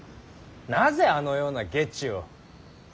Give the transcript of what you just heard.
なぜあのような下知を。